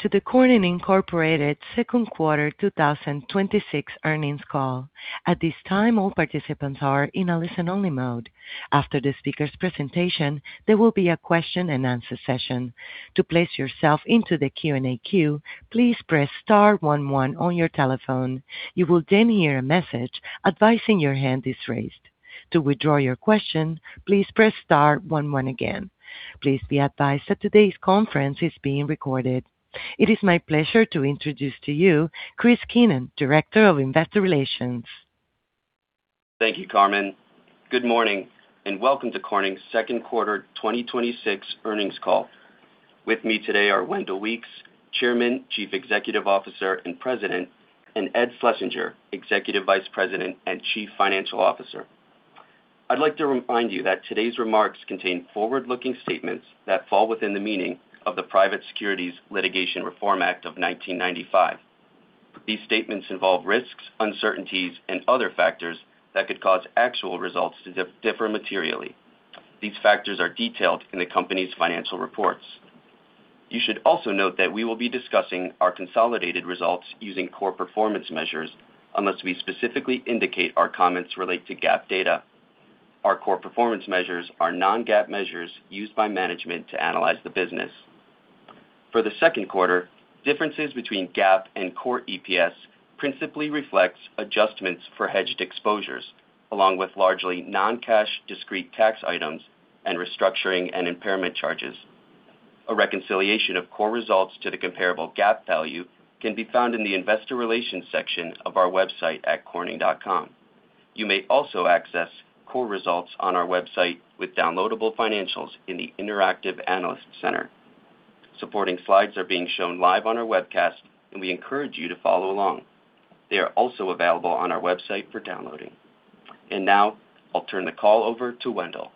To the Corning Incorporated second quarter 2026 earnings call. At this time, all participants are in a listen-only mode. After the speaker's presentation, there will be a question-and-answer session. To place yourself into the Q&A queue, please press star one one on your telephone. You will then hear a message advising your hand is raised. To withdraw your question, please press star one one again. Please be advised that today's conference is being recorded. It is my pleasure to introduce to you Chris Keenan, Director of Investor Relations. Thank you, Carmen. Good morning, and welcome to Corning's second quarter 2026 earnings call. With me today are Wendell Weeks, Chairman, Chief Executive Officer, and President, and Ed Schlesinger, Executive Vice President and Chief Financial Officer. I'd like to remind you that today's remarks contain forward-looking statements that fall within the meaning of the Private Securities Litigation Reform Act of 1995. These statements involve risks, uncertainties, and other factors that could cause actual results to differ materially. These factors are detailed in the company's financial reports. You should also note that we will be discussing our consolidated results using core performance measures, unless we specifically indicate our comments relate to GAAP data. Our core performance measures are non-GAAP measures used by management to analyze the business. For the second quarter, differences between GAAP and core EPS principally reflects adjustments for hedged exposures, along with largely non-cash discrete tax items and restructuring and impairment charges. A reconciliation of core results to the comparable GAAP value can be found in the investor relations section of our website at corning.com. You may also access core results on our website with downloadable financials in the Interactive Analyst Center. Supporting slides are being shown live on our webcast, and we encourage you to follow along. They are also available on our website for downloading. Now, I'll turn the call over to Wendell.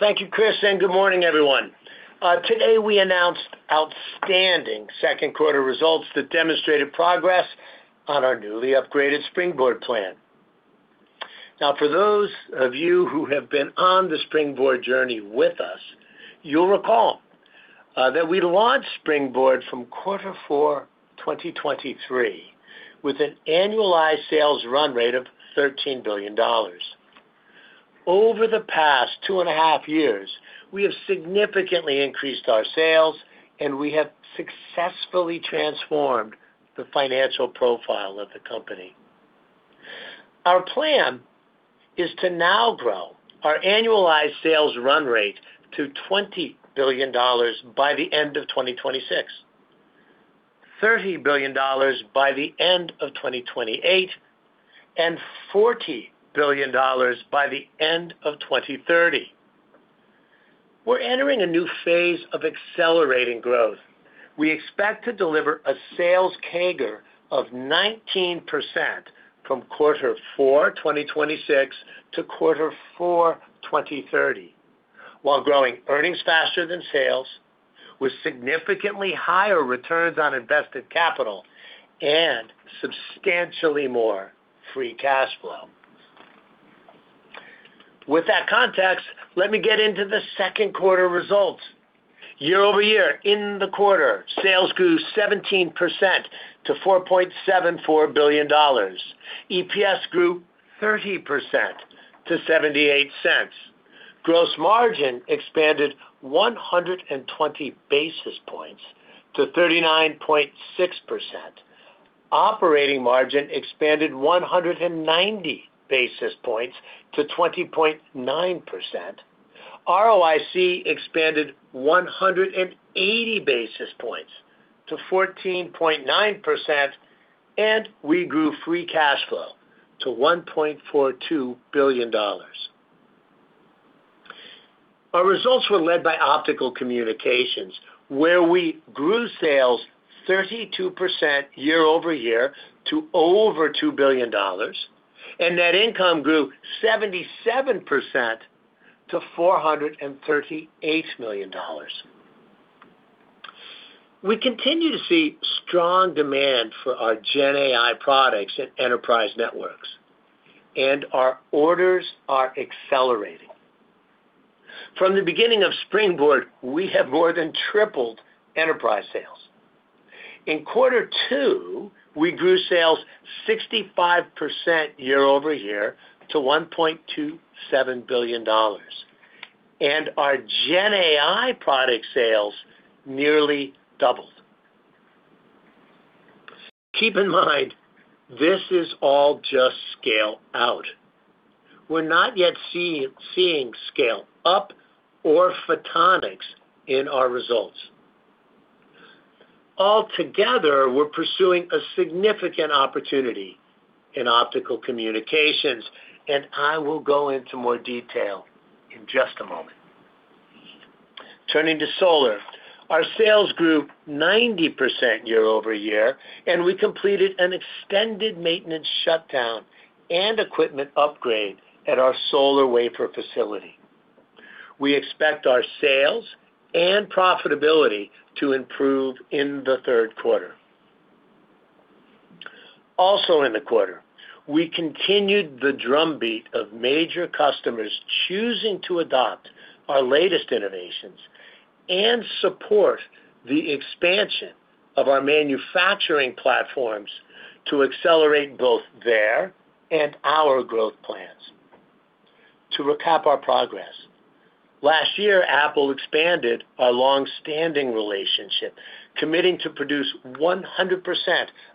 Thank you, Chris, and good morning, everyone. Today we announced outstanding second-quarter results that demonstrated progress on our newly upgraded Springboard Plan. Now, for those of you who have been on the Springboard journey with us, you'll recall that we launched Springboard from quarter four 2023 with an annualized sales run rate of $13 billion. Over the past two and a half years, we have significantly increased our sales, and we have successfully transformed the financial profile of the company. Our plan is to now grow our annualized sales run rate to $20 billion by the end of 2026, $30 billion by the end of 2028, and $40 billion by the end of 2030. We're entering a new phase of accelerating growth. We expect to deliver a sales CAGR of 19% from quarter four 2026 to quarter four 2030, while growing earnings faster than sales with significantly higher returns on invested capital and substantially more free cash flow. With that context, let me get into the second quarter results. Year-over-year, in the quarter, sales grew 17% to $4.74 billion. EPS grew 30% to $0.78. Gross margin expanded 120 basis points to 39.6%. Operating margin expanded 190 basis points to 20.9%. ROIC expanded 180 basis points to 14.9%, and we grew free cash flow to $1.42 billion. Our results were led by Optical Communications, where we grew sales 32% year-over-year to over $2 billion, and net income grew 77% to $438 million. We continue to see strong demand for our Gen AI products at Enterprise Networks, and our orders are accelerating. From the beginning of Springboard, we have more than tripled enterprise sales. In quarter two, we grew sales 65% year-over-year to $1.27 billion, and our Gen AI product sales nearly doubled. Keep in mind, this is all just scale-out. We are not yet seeing scale-up or photonics in our results. All together, we are pursuing a significant opportunity in Optical Communications, and I will go into more detail in just a moment. Turning to solar, our sales grew 90% year-over-year, and we completed an extended maintenance shutdown and equipment upgrade at our solar wafer facility. We expect our sales and profitability to improve in the third quarter. Also in the quarter, we continued the drumbeat of major customers choosing to adopt our latest innovations and support the expansion of our manufacturing platforms to accelerate both their and our growth plans. To recap our progress, last year, Apple expanded our long-standing relationship, committing to produce 100%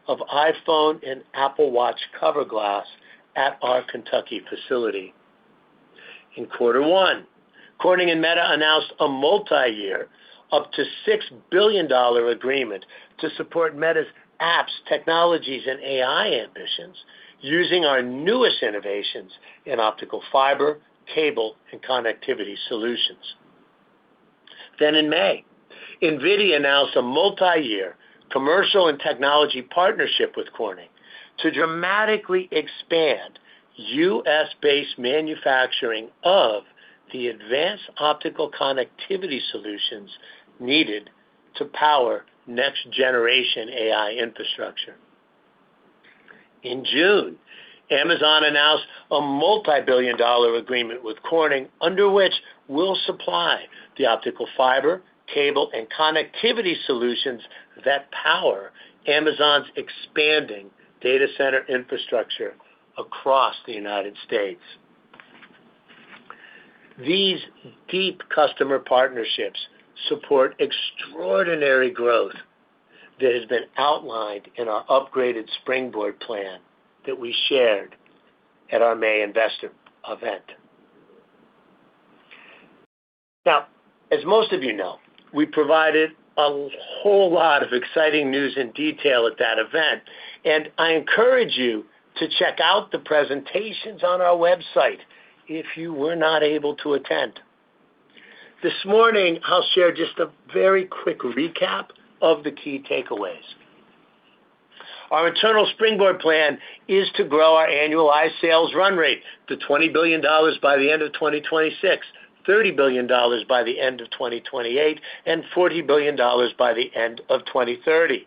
of iPhone and Apple Watch cover glass at our Kentucky facility. In quarter one, Corning and Meta announced a multi-year, up to $6 billion agreement to support Meta's apps, technologies, and AI ambitions using our newest innovations in optical fiber, cable, and connectivity solutions. Then in May, NVIDIA announced a multi-year commercial and technology partnership with Corning to dramatically expand U.S.-based manufacturing of the advanced optical connectivity solutions needed to power next-generation AI infrastructure. In June, Amazon announced a multi-billion dollar agreement with Corning, under which we will supply the optical fiber, cable, and connectivity solutions that power Amazon's expanding data center infrastructure across the United States. These deep customer partnerships support extraordinary growth that has been outlined in our upgraded Springboard Plan that we shared at our May investor event. Now, as most of you know, we provided a whole lot of exciting news in detail at that event, and I encourage you to check out the presentations on our website if you were not able to attend. This morning, I will share just a very quick recap of the key takeaways. Our internal Springboard Plan is to grow our annualized sales run rate to $20 billion by the end of 2026, $30 billion by the end of 2028, and $40 billion by the end of 2030.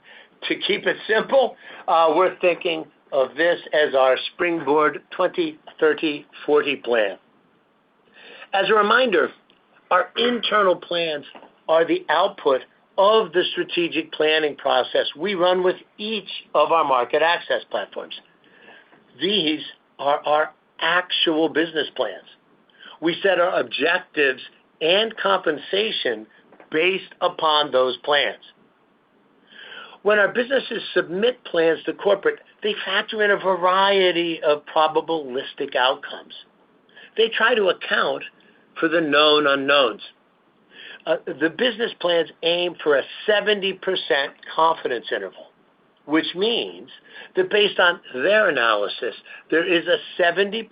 To keep it simple, we are thinking of this as our Springboard 2030/40 Plan. As a reminder, our internal plans are the output of the strategic planning process we run with each of our Market-Access Platforms. These are our actual business plans. We set our objectives and compensation based upon those plans. When our businesses submit plans to corporate, they factor in a variety of probabilistic outcomes. They try to account for the known unknowns. The business plans aim for a 70% confidence interval, which means that based on their analysis, there is a 70%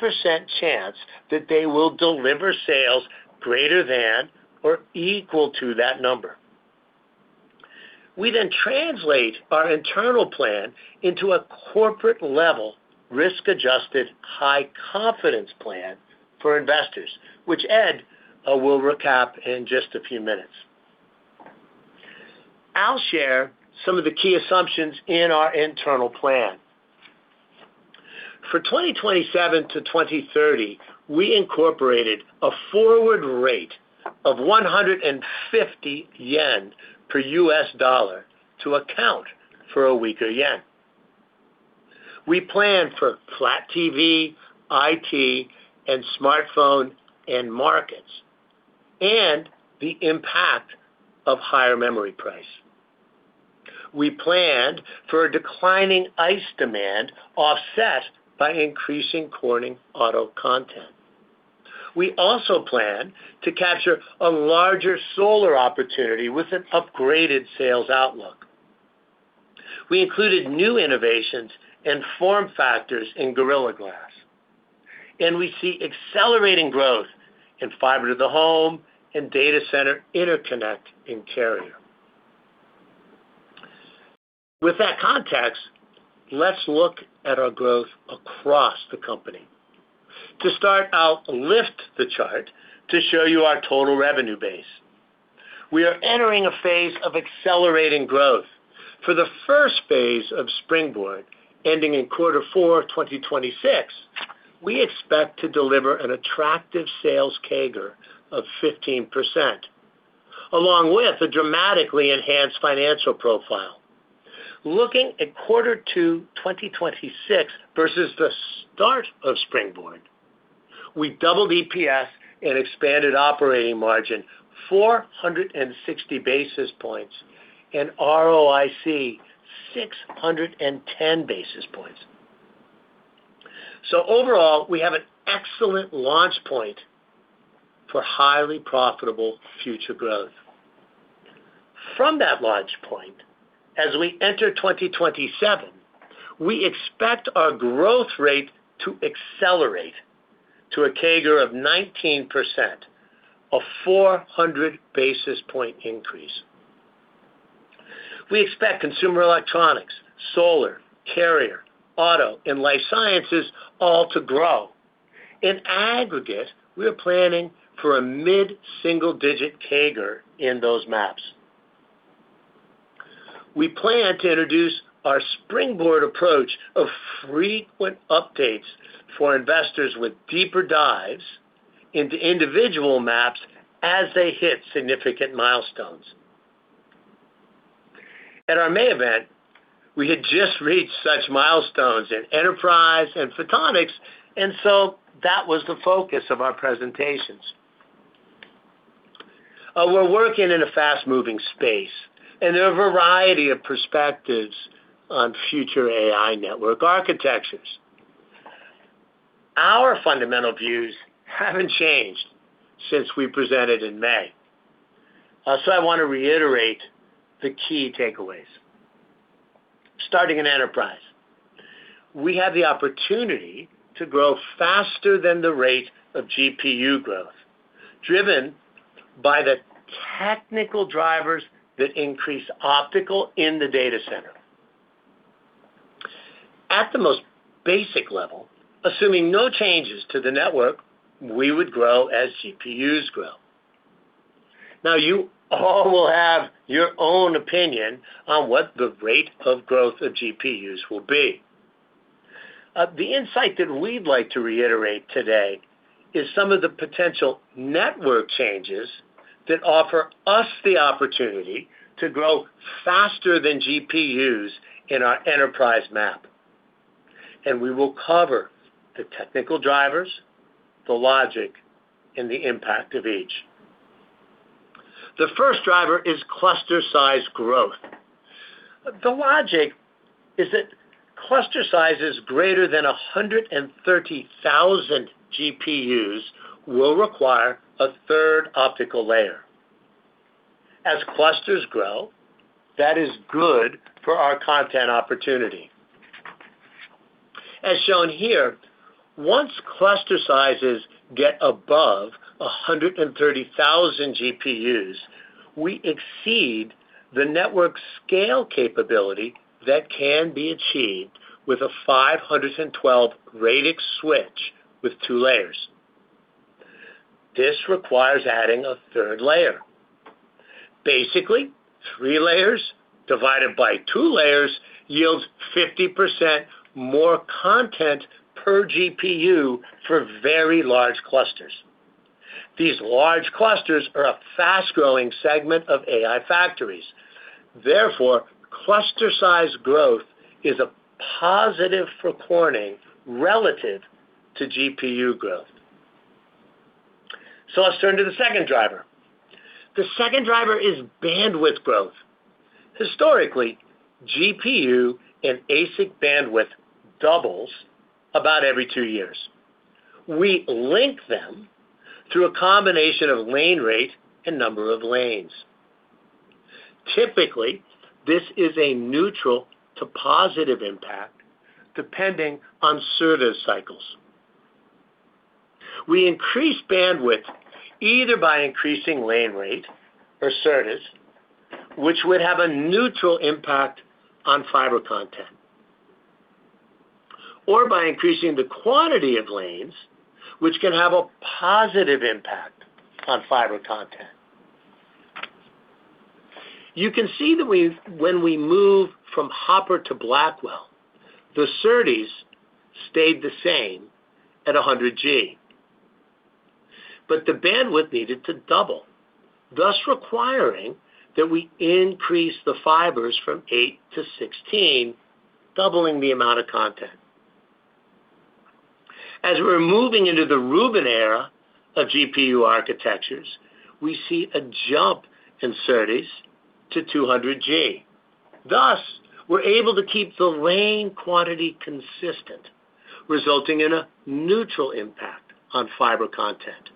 chance that they will deliver sales greater than or equal to that number. We then translate our internal plan into a corporate-level, risk-adjusted, high-confidence plan for investors, which Ed will recap in just a few minutes. I'll share some of the key assumptions in our internal plan. For 2027-2030, we incorporated a forward rate of 150 yen per US dollar to account for a weaker yen. We plan for flat TV, IT, and smartphone end markets, and the impact of higher memory price. We planned for a declining ICE demand offset by increasing Corning Auto content. We also plan to capture a larger solar opportunity with an upgraded sales outlook. We included new innovations and form factors in Gorilla Glass, and we see accelerating growth in fiber-to-the-home and data center interconnect in carrier. With that context, let's look at our growth across the company. To start, I'll lift the chart to show you our total revenue base. We are entering a phase of accelerating growth. For the first phase of Springboard, ending in quarter four of 2026, we expect to deliver an attractive sales CAGR of 15%, along with a dramatically enhanced financial profile. Looking at quarter two 2026 versus the start of Springboard, we doubled EPS and expanded operating margin 460 basis points and ROIC 610 basis points. Overall, we have an excellent launch point for highly profitable future growth. From that launch point, as we enter 2027, we expect our growth rate to accelerate to a CAGR of 19%, a 400 basis point increase. We expect consumer electronics, solar, carrier, auto, and life sciences all to grow. In aggregate, we are planning for a mid-single-digit CAGR in those MAPs. We plan to introduce our Springboard approach of frequent updates for investors with deeper dives into individual MAPs as they hit significant milestones. At our May event, we had just reached such milestones in enterprise and photonics, and that was the focus of our presentations. We're working in a fast-moving space, and there are a variety of perspectives on future AI network architectures. Our fundamental views haven't changed since we presented in May. I want to reiterate the key takeaways. Starting in enterprise. We have the opportunity to grow faster than the rate of GPU growth, driven by the technical drivers that increase optical in the data center. At the most basic level, assuming no changes to the network, we would grow as GPUs grow. You all will have your own opinion on what the rate of growth of GPUs will be. The insight that we'd like to reiterate today is some of the potential network changes that offer us the opportunity to grow faster than GPUs in our enterprise MAP. We will cover the technical drivers, the logic, and the impact of each. The first driver is cluster size growth. The logic is that cluster sizes greater than 130,000 GPUs will require a third optical layer. As clusters grow, that is good for our content opportunity. As shown here, once cluster sizes get above 130,000 GPUs, we exceed the network scale capability that can be achieved with a 512 radix switch with two layers. This requires adding a third layer. Basically, three layers divided by two layers yields 50% more content per GPU for very large clusters. These large clusters are a fast-growing segment of AI factories. Cluster size growth is a positive for Corning relative to GPU growth. Let's turn to the second driver. The second driver is bandwidth growth. Historically, GPU and ASIC bandwidth doubles about every two years. We link them through a combination of lane rate and number of lanes. Typically, this is a neutral to positive impact, depending on SerDes cycles. We increase bandwidth either by increasing lane rate or SerDes, which would have a neutral impact on fiber content, or by increasing the quantity of lanes, which can have a positive impact on fiber content. You can see that when we move from Hopper to Blackwell, the SerDes stayed the same at 100G. The bandwidth needed to double, thus requiring that we increase the fibers from eight to 16, doubling the amount of content. As we're moving into the Rubin era of GPU architectures, we see a jump in SerDes to 200G. We're able to keep the lane quantity consistent, resulting in a neutral impact on fiber content.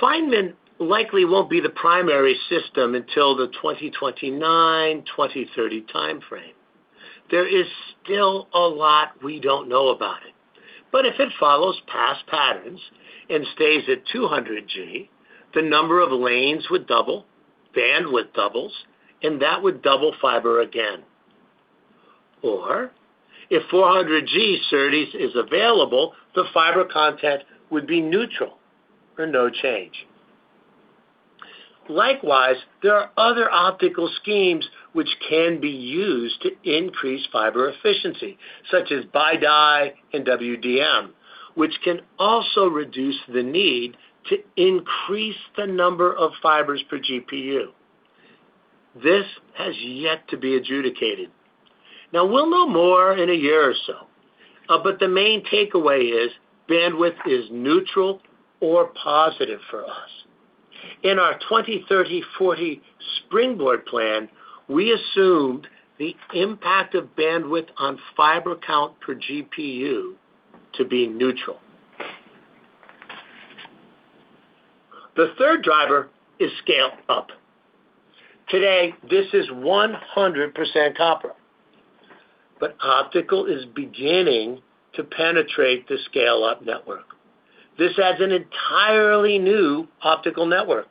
Feynman likely won't be the primary system until the 2029, 2030 timeframe. There is still a lot we don't know about it. If it follows past patterns and stays at 200G, the number of lanes would double, bandwidth doubles, and that would double fiber again. Or if 400G SerDes is available, the fiber content would be neutral or no change. Likewise, there are other optical schemes which can be used to increase fiber efficiency, such as BiDi and WDM, which can also reduce the need to increase the number of fibers per GPU. This has yet to be adjudicated. We'll know more in a year or so, but the main takeaway is bandwidth is neutral or positive for us. In our 2030/40 Springboard Plan, we assumed the impact of bandwidth on fiber count per GPU to be neutral. The third driver is scale up. Today, this is 100% copper. Optical is beginning to penetrate the scale-up network. This adds an entirely new optical network.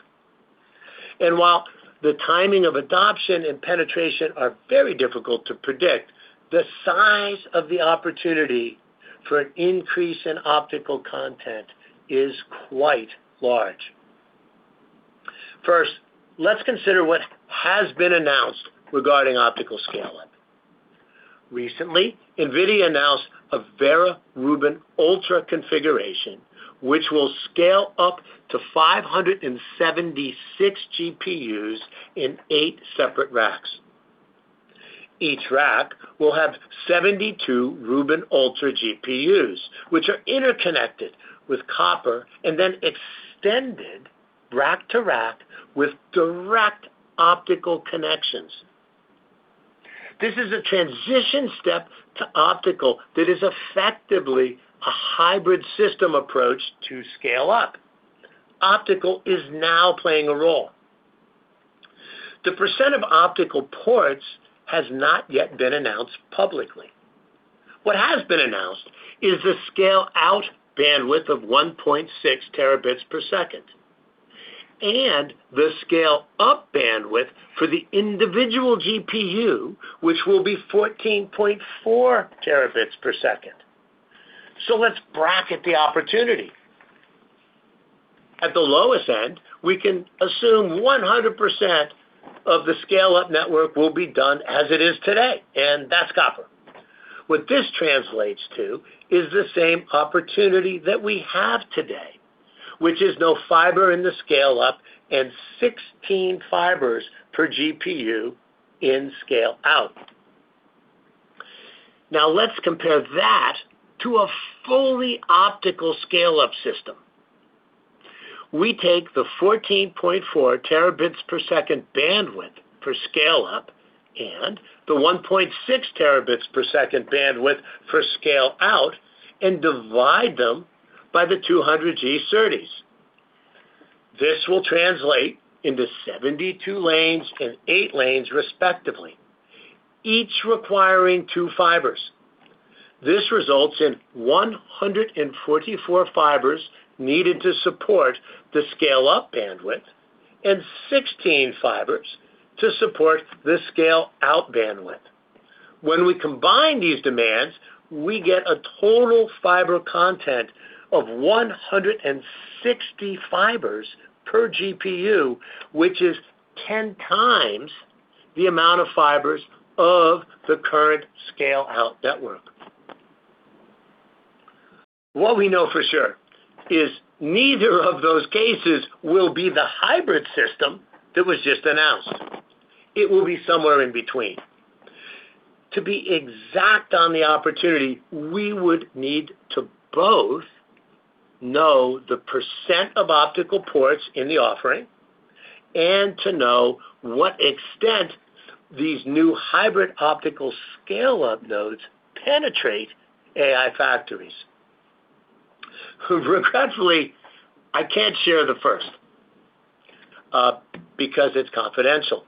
While the timing of adoption and penetration are very difficult to predict, the size of the opportunity for an increase in optical content is quite large. First, let's consider what has been announced regarding optical scale-up. Recently, NVIDIA announced a Vera Rubin Ultra configuration, which will scale up to 576 GPUs in eight separate racks. Each rack will have 72 Rubin Ultra GPUs, which are interconnected with copper and then extended rack to rack with direct optical connections. This is a transition step to optical that is effectively a hybrid system approach to scale up. Optical is now playing a role. The percent of optical ports has not yet been announced publicly. What has been announced is the scale-out bandwidth of 1.6 Tbps and the scale-up bandwidth for the individual GPU, which will be 14.4 Tbps. Let's bracket the opportunity. At the lowest end, we can assume 100% of the scale-up network will be done as it is today, and that's copper. What this translates to is the same opportunity that we have today, which is no fiber in the scale-up and 16 fibers per GPU in scale-out. Let's compare that to a fully optical scale-up system. We take the 14.4 Tbps bandwidth for scale-up and the 1.6 Tbps bandwidth for scale-out and divide them by the 200G SerDes. This will translate into 72 lanes and eight lanes respectively, each requiring two fibers. This results in 144 fibers needed to support the scale-up bandwidth and 16 fibers to support the scale-out bandwidth. When we combine these demands, we get a total fiber content of 160 fibers per GPU, which is 10 times the amount of fibers of the current scale-out network. What we know for sure is neither of those cases will be the hybrid system that was just announced. It will be somewhere in between. To be exact on the opportunity, we would need to both know the percent of optical ports in the offering and to know what extent these new hybrid optical scale-up nodes penetrate AI factories. Regretfully, I can't share the first, because it's confidential,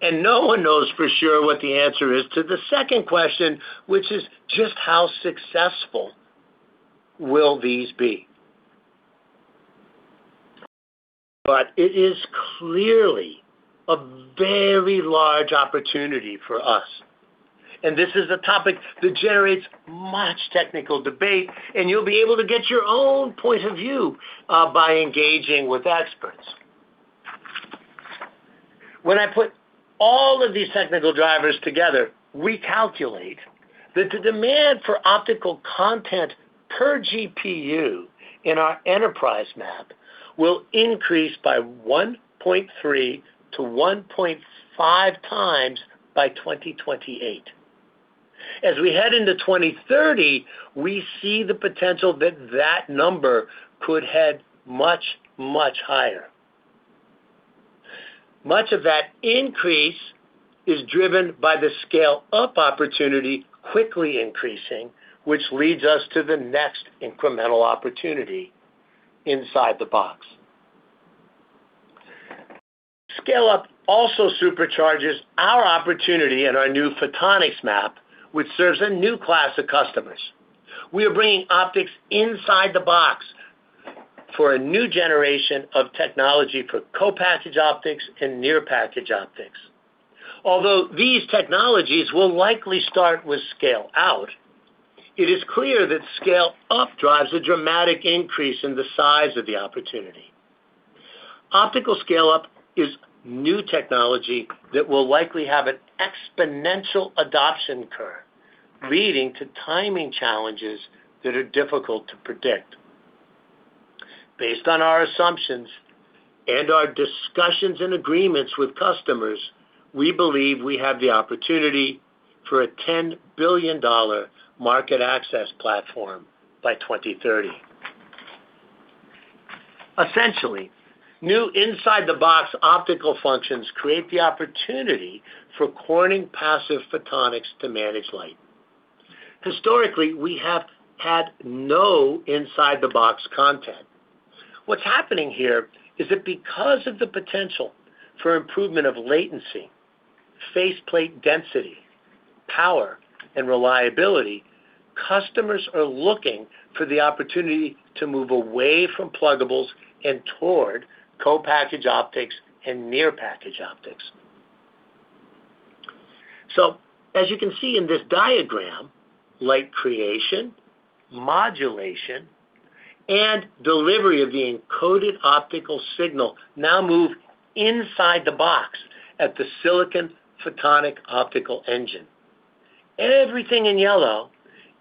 and no one knows for sure what the answer is to the second question, which is, just how successful will these be? It is clearly a very large opportunity for us, and this is a topic that generates much technical debate, and you'll be able to get your own point of view by engaging with experts. When I put all of these technical drivers together, we calculate that the demand for optical content per GPU in our enterprise map will increase by 1.3x-1.5x by 2028. As we head into 2030, we see the potential that that number could head much, much higher. Much of that increase is driven by the scale-up opportunity quickly increasing, which leads us to the next incremental opportunity inside the box. Scale-up also supercharges our opportunity and our new photonics map, which serves a new class of customers. We are bringing optics inside the box for a new generation of technology for co-packaged optics and near-package optics. Although these technologies will likely start with scale-out, it is clear that scale-up drives a dramatic increase in the size of the opportunity. Optical scale-up is new technology that will likely have an exponential adoption curve, leading to timing challenges that are difficult to predict. Based on our assumptions and our discussions and agreements with customers, we believe we have the opportunity for a $10 billion Market-Access Platform by 2030. Essentially, new inside the box optical functions create the opportunity for Corning passive photonics to manage light. Historically, we have had no inside the box content. What's happening here is that because of the potential for improvement of latency, faceplate density, power, and reliability, customers are looking for the opportunity to move away from pluggables and toward co-packaged optics and near-package optics. As you can see in this diagram, light creation, modulation, and delivery of the encoded optical signal now move inside the box at the silicon photonics optical engine. Everything in yellow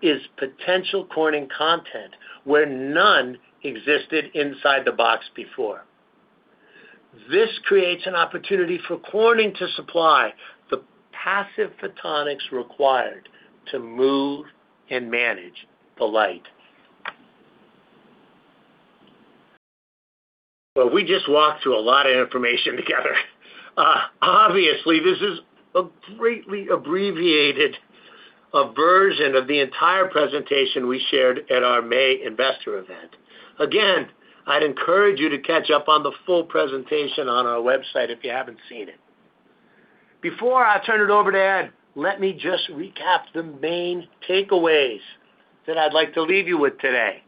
is potential Corning content where none existed inside the box before. This creates an opportunity for Corning to supply the Corning passive photonics required to move and manage the light. Well, we just walked through a lot of information together. Obviously, this is a greatly abbreviated version of the entire presentation we shared at our May investor event. I'd encourage you to catch up on the full presentation on our website if you haven't seen it. Before I turn it over to Ed, let me just recap the main takeaways that I'd like to leave you with today.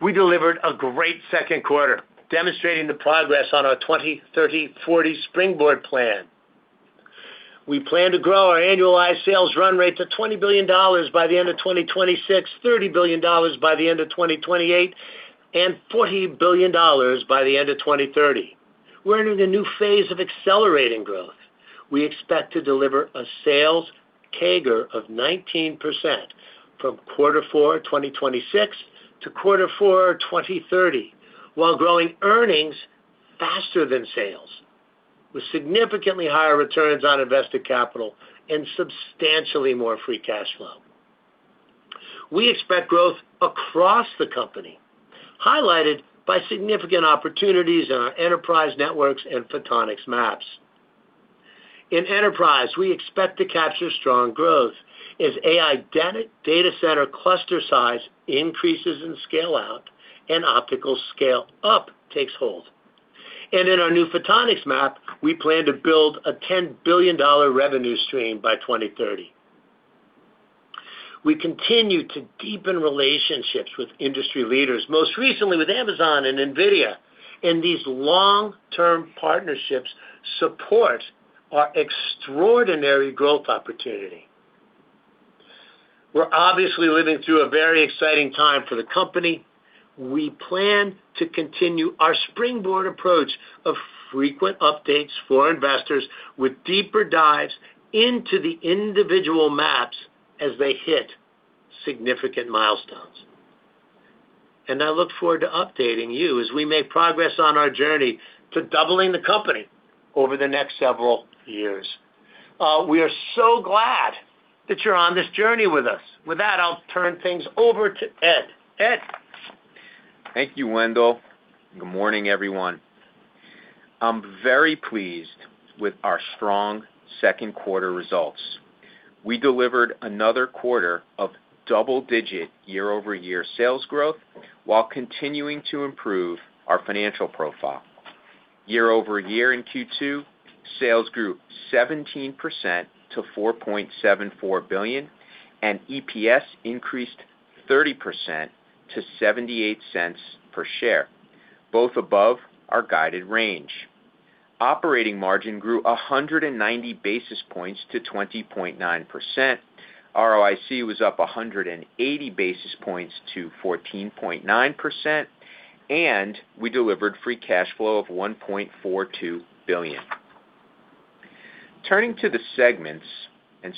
We delivered a great second quarter, demonstrating the progress on our 2030/40 Springboard Plan. We plan to grow our annualized sales run rate to $20 billion by the end of 2026, $30 billion by the end of 2028, and $40 billion by the end of 2030. We're entering a new phase of accelerating growth. We expect to deliver a sales CAGR of 19% from quarter four 2026 to quarter four 2030, while growing earnings faster than sales, with significantly higher returns on invested capital and substantially more free cash flow. We expect growth across the company, highlighted by significant opportunities in our enterprise networks and photonics maps. In enterprise, we expect to capture strong growth as AI data center cluster size increases in scale-out and optical scale-up takes hold. In our new photonics map, we plan to build a $10 billion revenue stream by 2030. We continue to deepen relationships with industry leaders, most recently with Amazon and NVIDIA. These long-term partnerships support our extraordinary growth opportunity. We're obviously living through a very exciting time for the company. We plan to continue our springboard approach of frequent updates for investors with deeper dives into the individual maps as they hit significant milestones. I look forward to updating you as we make progress on our journey to doubling the company over the next several years. We are so glad that you're on this journey with us. With that, I'll turn things over to Ed. Ed? Thank you, Wendell. Good morning, everyone. I'm very pleased with our strong second quarter results. We delivered another quarter of double-digit year-over-year sales growth while continuing to improve our financial profile. Year-over-year in Q2, sales grew 17% to $4.74 billion. EPS increased 30% to $0.78 per share, both above our guided range. Operating margin grew 190 basis points to 20.9%. ROIC was up 180 basis points to 14.9%. We delivered free cash flow of $1.42 billion. Turning to the segments,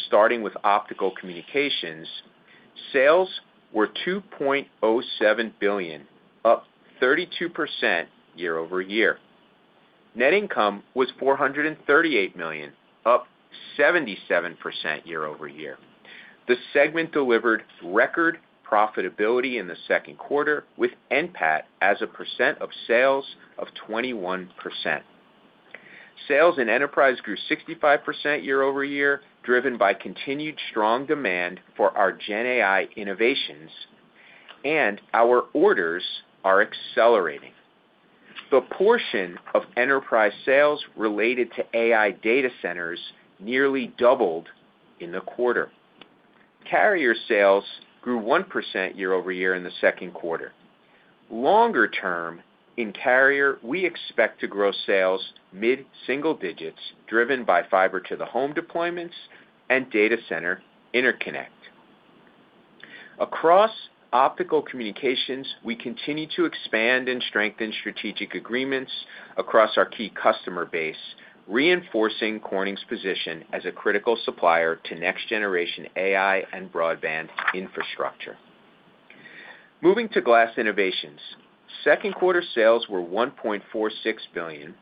starting with Optical Communications, sales were $2.07 billion, up 32% year-over-year. Net income was $438 million, up 77% year-over-year. The segment delivered record profitability in the second quarter, with NPAT as a percent of sales of 21%. Sales in enterprise grew 65% year-over-year, driven by continued strong demand for our Gen AI innovations. Our orders are accelerating. The portion of enterprise sales related to AI data centers nearly doubled in the quarter. Carrier sales grew 1% year-over-year in the second quarter. Longer term, in carrier, we expect to grow sales mid-single digits, driven by fiber-to-the-home deployments and data center interconnect. Across Optical Communications, we continue to expand and strengthen strategic agreements across our key customer base, reinforcing Corning's position as a critical supplier to next generation AI and broadband infrastructure. Moving to Glass Innovations, second quarter sales were $1.46 billion,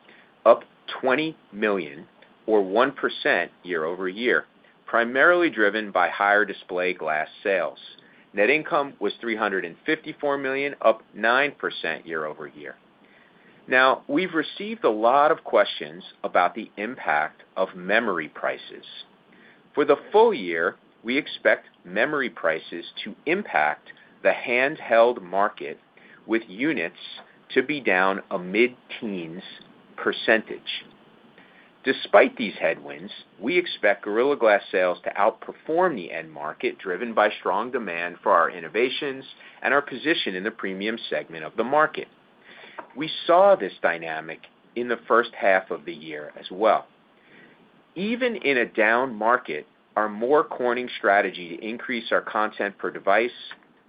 up $20 million or 1% year-over-year, primarily driven by higher display glass sales. Net income was $354 million, up 9% year-over-year. We've received a lot of questions about the impact of memory prices. For the full year, we expect memory prices to impact the handheld market, with units to be down a mid-teens percentage. Despite these headwinds, we expect Gorilla Glass sales to outperform the end market, driven by strong demand for our innovations and our position in the premium segment of the market. We saw this dynamic in the first half of the year as well. Even in a down market, our More Corning strategy to increase our content per device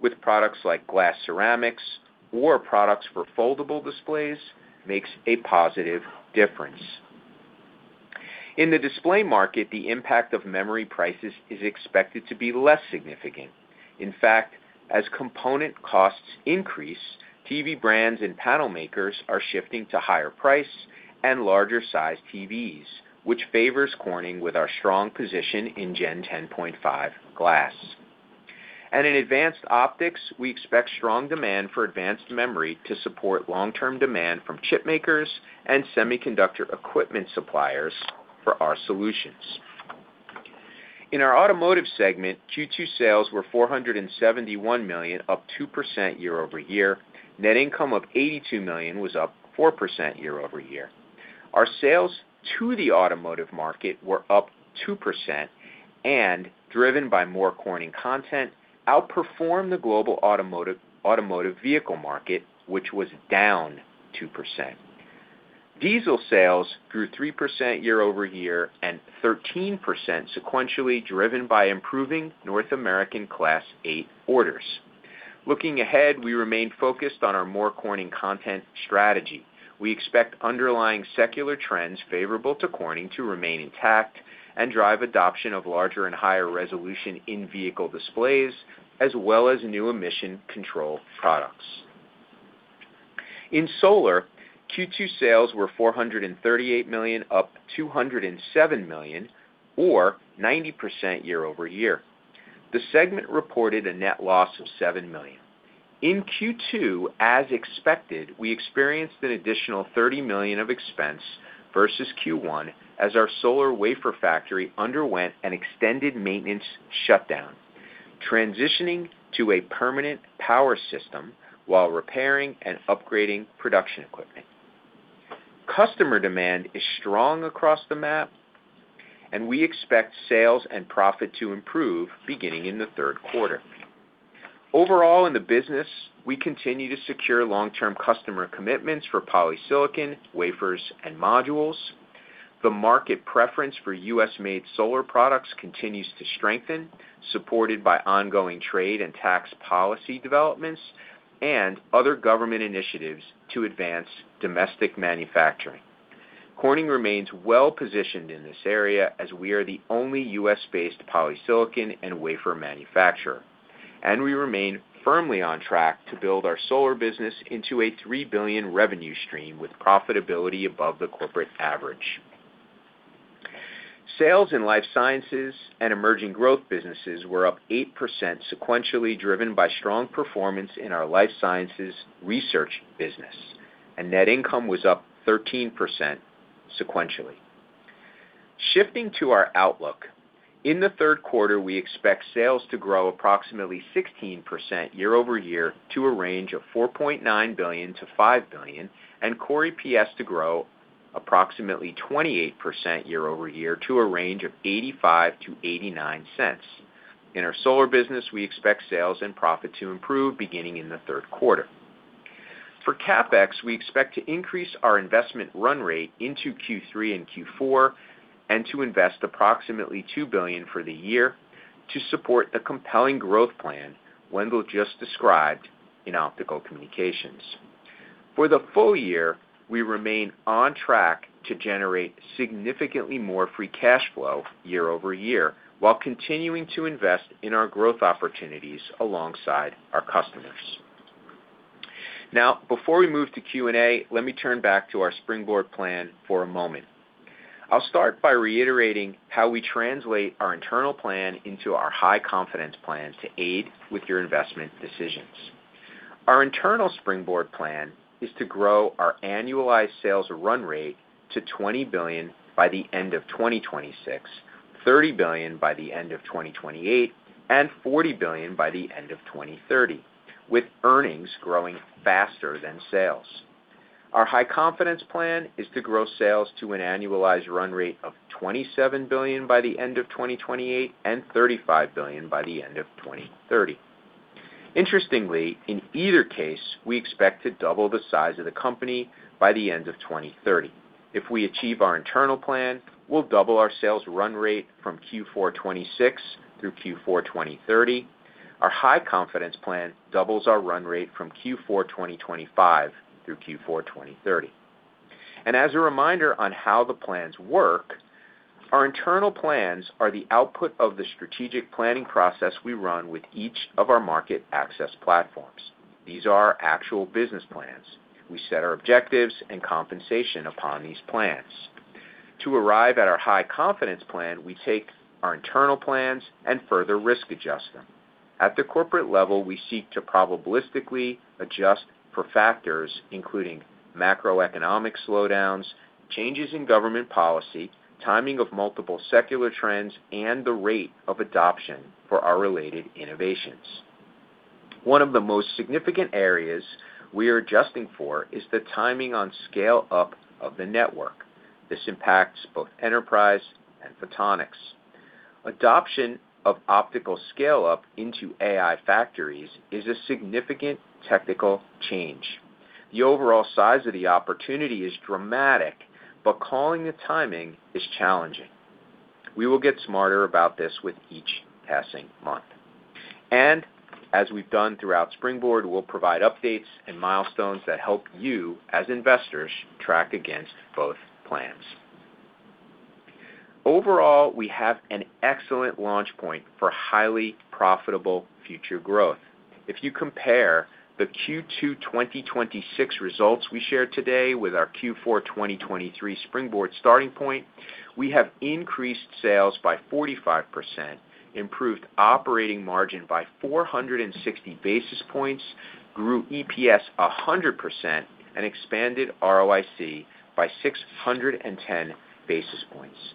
with products like glass ceramics or products for foldable displays makes a positive difference. In the display market, the impact of memory prices is expected to be less significant. In fact, as component costs increase, TV brands and panel makers are shifting to higher price and larger size TVs, which favors Corning with our strong position in Gen 10.5 glass. In advanced optics, we expect strong demand for advanced memory to support long-term demand from chip makers and semiconductor equipment suppliers for our solutions. In our automotive segment, Q2 sales were $471 million, up 2% year-over-year. Net income of $82 million was up 4% year-over-year. Our sales to the automotive market were up 2%, driven by More Corning content, outperformed the global automotive vehicle market, which was down 2%. Diesel sales grew 3% year-over-year and 13% sequentially, driven by improving North American Class 8 orders. Looking ahead, we remain focused on our More Corning content strategy. We expect underlying secular trends favorable to Corning to remain intact and drive adoption of larger and higher resolution in-vehicle displays, as well as new emission control products. In solar, Q2 sales were $438 million, up $207 million, or 90% year-over-year. The segment reported a net loss of $7 million. In Q2, as expected, we experienced an additional $30 million of expense versus Q1 as our solar wafer factory underwent an extended maintenance shutdown, transitioning to a permanent power system while repairing and upgrading production equipment. Customer demand is strong across the MAPs. We expect sales and profit to improve beginning in the third quarter. Overall in the business, we continue to secure long-term customer commitments for polysilicon, wafers, and modules. The market preference for U.S.-made solar products continues to strengthen, supported by ongoing trade and tax policy developments and other government initiatives to advance domestic manufacturing. Corning remains well-positioned in this area as we are the only U.S.-based polysilicon and wafer manufacturer, and we remain firmly on track to build our solar business into a $3 billion revenue stream with profitability above the corporate average. Sales in Life Sciences and Emerging Growth Businesses were up 8% sequentially, driven by strong performance in our Life Sciences research business, and net income was up 13% sequentially. Shifting to our outlook, in the third quarter, we expect sales to grow approximately 16% year-over-year to a range of $4.9 billion-$5 billion, and Core EPS to grow approximately 28% year-over-year to a range of $0.85-$0.89. In our solar business, we expect sales and profit to improve beginning in the third quarter. For CapEx, we expect to increase our investment run rate into Q3 and Q4 and to invest approximately $2 billion for the year to support the compelling growth plan Wendell just described in Optical Communications. For the full year, we remain on track to generate significantly more free cash flow year-over-year while continuing to invest in our growth opportunities alongside our customers. Before we move to Q&A, let me turn back to our Springboard Plan for a moment. I'll start by reiterating how we translate our internal plan into our high-confidence plan to aid with your investment decisions. Our internal Springboard Plan is to grow our annualized sales run rate to $20 billion by the end of 2026, $30 billion by the end of 2028, and $40 billion by the end of 2030, with earnings growing faster than sales. Our high-confidence plan is to grow sales to an annualized run rate of $27 billion by the end of 2028 and $35 billion by the end of 2030. Interestingly, in either case, we expect to double the size of the company by the end of 2030. If we achieve our internal plan, we'll double our sales run rate from Q4 2026 through Q4 2030. Our high-confidence plan doubles our run rate from Q4 2025 through Q4 2030. As a reminder on how the plans work, our internal plans are the output of the strategic planning process we run with each of our Market-Access Platforms. These are our actual business plans. We set our objectives and compensation upon these plans. To arrive at our high-confidence plan, we take our internal plans and further risk adjust them. At the corporate level, we seek to probabilistically adjust for factors including macroeconomic slowdowns, changes in government policy, timing of multiple secular trends, and the rate of adoption for our related innovations. One of the most significant areas we are adjusting for is the timing on scale-up of the network. This impacts both enterprise and photonics. Adoption of optical scale-up into AI factories is a significant technical change. The overall size of the opportunity is dramatic, but calling the timing is challenging. We will get smarter about this with each passing month. As we've done throughout Springboard, we'll provide updates and milestones that help you as investors track against both plans. Overall, we have an excellent launch point for highly profitable future growth. If you compare the Q2 2026 results we shared today with our Q4 2023 Springboard starting point, we have increased sales by 45%, improved operating margin by 460 basis points, grew EPS 100%, and expanded ROIC by 610 basis points.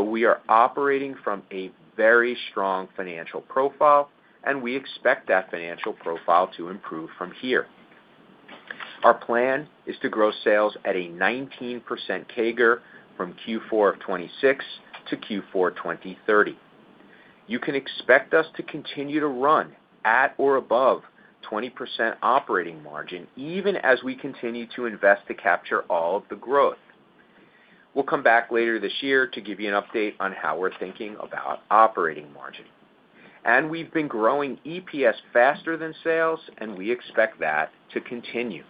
We are operating from a very strong financial profile, and we expect that financial profile to improve from here. Our plan is to grow sales at a 19% CAGR from Q4 2026 to Q4 2030. You can expect us to continue to run at or above 20% operating margin, even as we continue to invest to capture all of the growth. We'll come back later this year to give you an update on how we're thinking about operating margin. We've been growing EPS faster than sales, and we expect that to continue.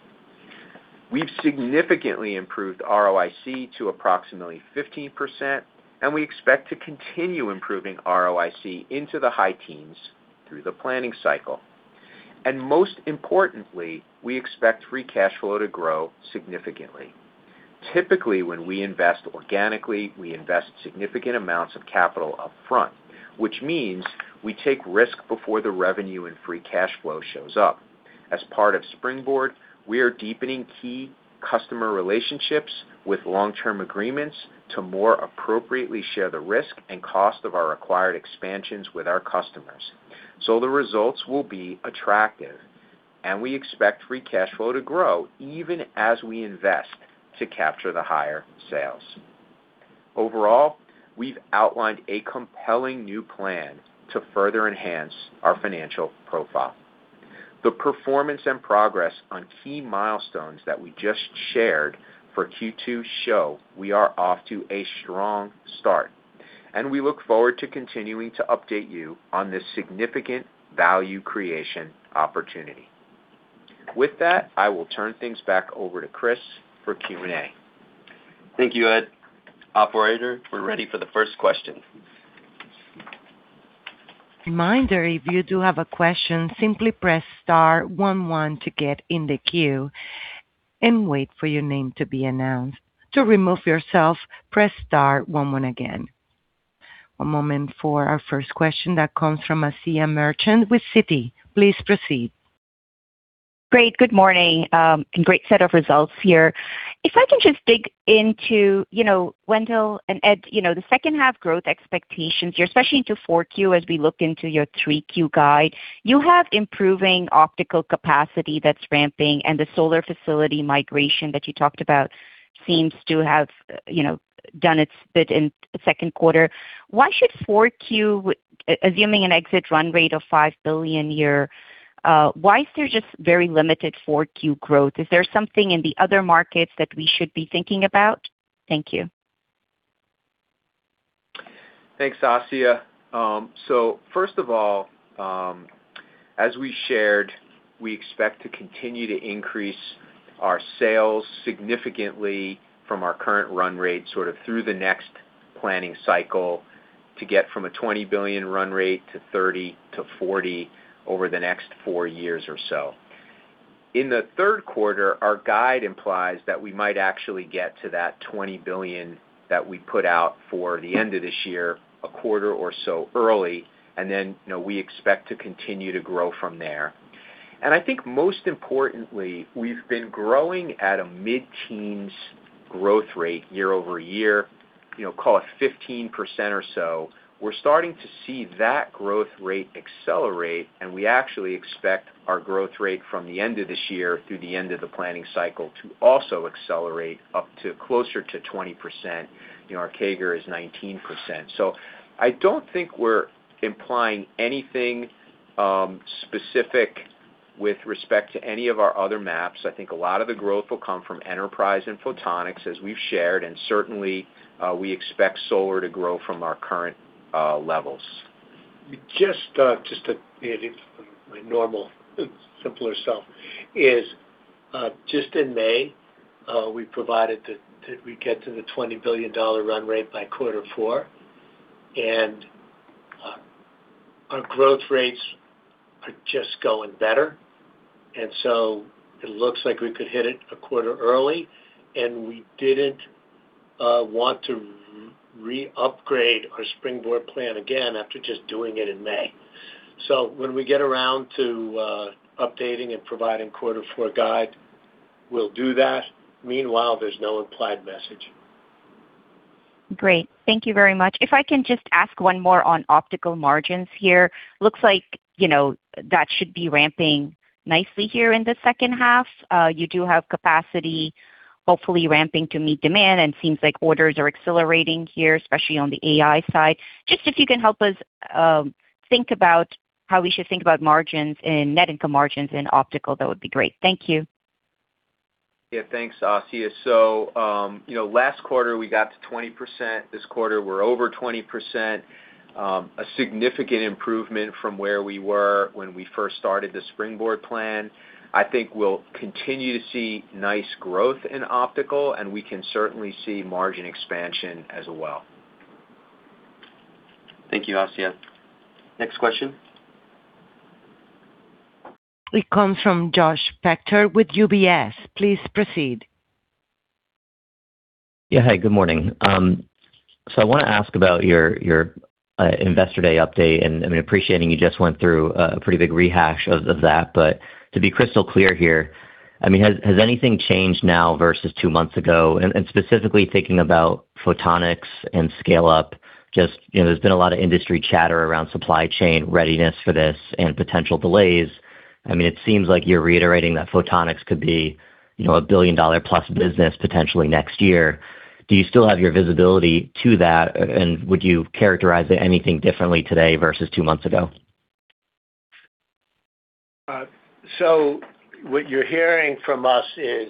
We've significantly improved ROIC to approximately 15%, and we expect to continue improving ROIC into the high teens through the planning cycle. And most importantly, we expect free cash flow to grow significantly. Typically, when we invest organically, we invest significant amounts of capital upfront, which means we take risk before the revenue and free cash flow shows up. As part of Springboard, we are deepening key customer relationships with long-term agreements to more appropriately share the risk and cost of our acquired expansions with our customers. The results will be attractive, and we expect free cash flow to grow even as we invest to capture the higher sales. Overall, we've outlined a compelling new plan to further enhance our financial profile. The performance and progress on key milestones that we just shared for Q2 show we are off to a strong start, and we look forward to continuing to update you on this significant value creation opportunity. With that, I will turn things back over to Chris for Q&A. Thank you, Ed. Operator, we're ready for the first question. Reminder, if you do have a question, simply press star one one to get in the queue and wait for your name to be announced. To remove yourself, press star one one again. One moment for our first question that comes from Asiya Merchant with Citi. Please proceed. Great. Good morning, and great set of results here. If I can just dig into, Wendell and Ed, the second half growth expectations here, especially into 4Q as we look into your 3Q guide. You have improving optical capacity that's ramping, and the solar facility migration that you talked about seems to have done its bit in the second quarter. Why should, assuming an exit run rate of $5 billion year, why is there just very limited 4Q growth? Is there something in the other markets that we should be thinking about? Thank you. Thanks, Asiya. First of all, as we shared, we expect to continue to increase our sales significantly from our current run rate, sort of through the next planning cycle to get from a $20 billion run rate to $30 billion to $40 billion over the next four years or so. In the third quarter, our guide implies that we might actually get to that $20 billion that we put out for the end of this year, a quarter or so early, and then we expect to continue to grow from there. I think most importantly, we've been growing at a mid-teens growth rate year-over-year, call it 15% or so. We're starting to see that growth rate accelerate, and we actually expect our growth rate from the end of this year through the end of the planning cycle to also accelerate up to closer to 20%. Our CAGR is 19%. I don't think we're implying anything specific with respect to any of our other MAPs. I think a lot of the growth will come from enterprise and photonics, as we've shared, and certainly, we expect solar to grow from our current levels. Just to be my normal simpler self is. Just in May, we provided that we get to the $20 billion run rate by quarter four. Our growth rates are just going better. It looks like we could hit it a quarter early. We didn't want to re-upgrade our Springboard Plan again after just doing it in May. When we get around to updating and providing quarter four guide, we'll do that. Meanwhile, there's no implied message. Great. Thank you very much. If I can just ask one more on Optical margins here. Looks like that should be ramping nicely here in the second half. You do have capacity, hopefully ramping to meet demand. Seems like orders are accelerating here, especially on the AI side. Just if you can help us think about how we should think about margins and net income margins in Optical, that would be great. Thank you. Yeah, thanks, Asiya. Last quarter, we got to 20%. This quarter, we're over 20%, a significant improvement from where we were when we first started the Springboard Plan. I think we'll continue to see nice growth in Optical. We can certainly see margin expansion as well. Thank you, Asiya. Next question. It comes from Josh Spector with UBS. Please proceed. Yeah. Hi, good morning. I want to ask about your Investor Day update, appreciating you just went through a pretty big rehash of that, to be crystal clear here, has anything changed now versus two months ago? Specifically thinking about photonics and scale-up, there's been a lot of industry chatter around supply chain readiness for this and potential delays. It seems like you're reiterating that photonics could be a billion-dollar-plus business potentially next year. Do you still have your visibility to that, and would you characterize anything differently today versus two months ago? What you're hearing from us is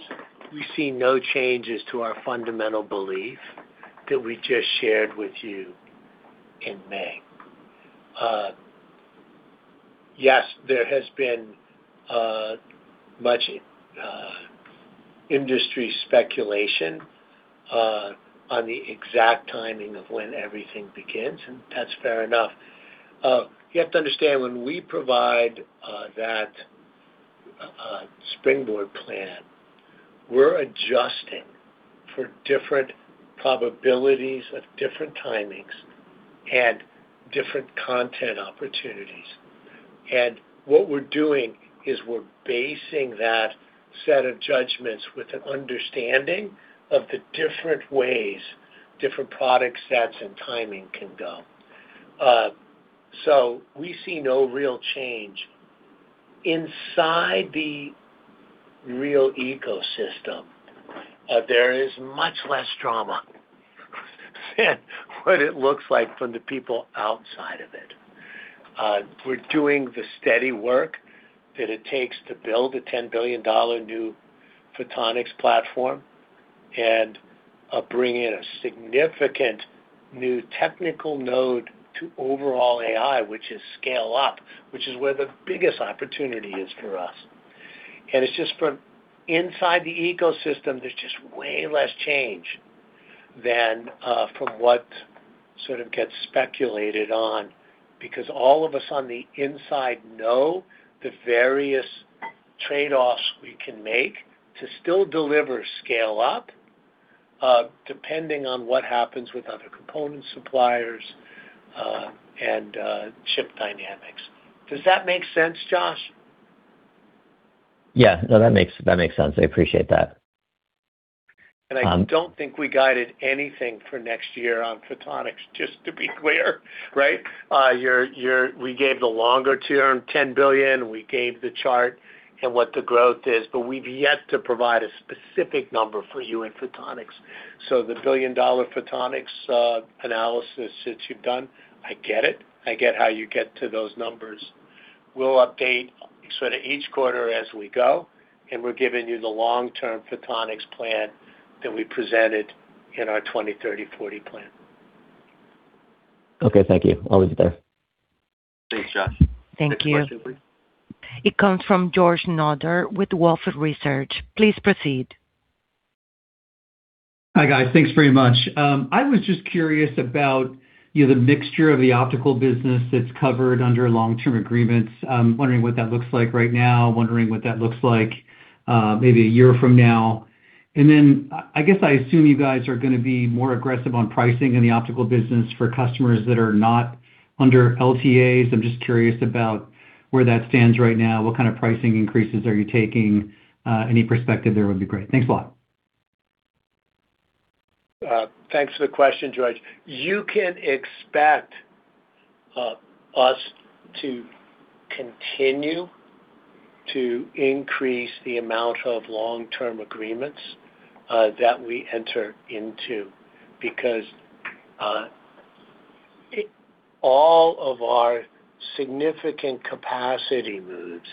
we see no changes to our fundamental belief that we just shared with you in May. Yes, there has been much industry speculation on the exact timing of when everything begins, that's fair enough. You have to understand, when we provide that Springboard plan, we're adjusting for different probabilities of different timings and different content opportunities. What we're doing is we're basing that set of judgments with an understanding of the different ways different product sets and timing can go. We see no real change. Inside the real ecosystem, there is much less drama than what it looks like from the people outside of it. We're doing the steady work that it takes to build a $10 billion new photonics platform and bring in a significant new technical node to overall AI, which is scale up, which is where the biggest opportunity is for us. It's just from inside the ecosystem, there's just way less change than from what sort of gets speculated on, because all of us on the inside know the various trade-offs we can make to still deliver scale up, depending on what happens with other component suppliers and chip dynamics. Does that make sense, Josh? Yeah. No, that makes sense. I appreciate that. I don't think we guided anything for next year on photonics, just to be clear, right? We gave the longer term, $10 billion. We gave the chart and what the growth is, but we've yet to provide a specific number for you in photonics. The billion-dollar photonics analysis that you've done, I get it. I get how you get to those numbers. We'll update sort of each quarter as we go, and we're giving you the long-term photonics plan that we presented in our 2030-2040 plan. Okay, thank you. I'll leave it there. Thanks, Josh. Thank you. Next question, please. It comes from George Notter with Wolfe Research. Please proceed. Hi, guys. Thanks very much. I was just curious about the mixture of the optical business that's covered under long-term agreements. I'm wondering what that looks like right now, wondering what that looks like maybe a year from now. Then I guess I assume you guys are going to be more aggressive on pricing in the optical business for customers that are not under LTAs. I'm just curious about where that stands right now. What kind of pricing increases are you taking? Any perspective there would be great. Thanks a lot. Thanks for the question, George. You can expect us to continue to increase the amount of long-term agreements that we enter into, because all of our significant capacity moves